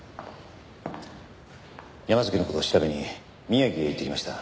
山崎の事を調べに宮城へ行ってきました。